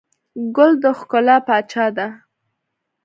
ګل د ښکلا پاچا دی.